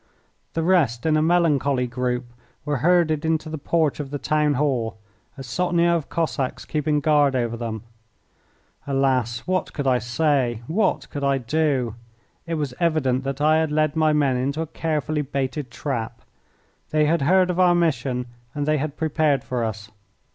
The rest in a melancholy group were herded into the porch of the town hall, a sotnia of Cossacks keeping guard over them. Alas! what could I say, what could I do? It was evident that I had led my men into a carefully baited trap. They had heard of our mission and they had prepared for us.